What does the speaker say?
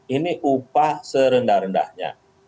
ini upah serendah rendahnya